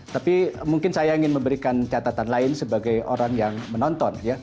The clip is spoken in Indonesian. tapi mungkin saya ingin memberikan catatan lain sebagai orang yang menonton